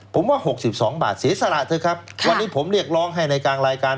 ผมว่า๖๒บาทเสียสละเถอะครับวันนี้ผมเรียกร้องให้ในกลางรายการ